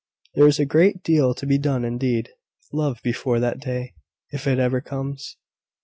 "There is a great deal to be done indeed, love, before that day, if it ever comes."